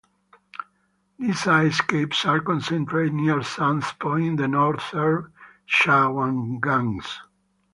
These ice caves are concentrated near Sam's Point in the northern Shawangunks.